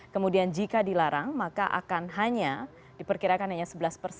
kemudian jika dilarang maka akan hanya diperkirakan yang ada di dalam kursus